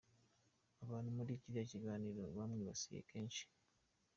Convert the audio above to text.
Abantu muri kiriya kiganiro bamwibasiye kenshi.